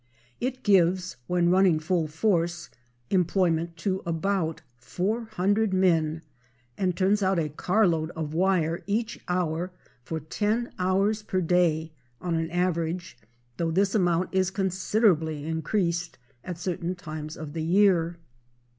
It gives, when running full force, employment to about 400 men, and turns out a car load of wire each hour for ten hours per day, on an average, though this amount is considerably increased at certain times of the year.